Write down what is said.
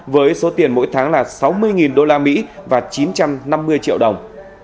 với số tiền mỗi tháng là sáu mươi usd và chín trăm năm mươi triệu đồng